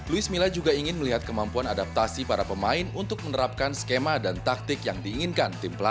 luis mila juga ingin melihat kemampuan adaptasi para pemain untuk menerapkan skema dan taktik yang diinginkan tim pelatih